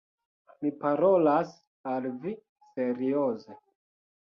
Mi parolas al vi serioze.